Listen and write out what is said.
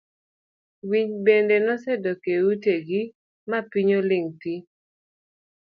Winy bende nosedok e ute gi mapiny oling' thiii.